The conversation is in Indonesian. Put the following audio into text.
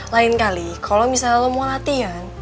lain kali kalau misalnya lo mau latihan